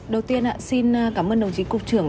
đầu tiên xin cảm ơn đồng chí cục trưởng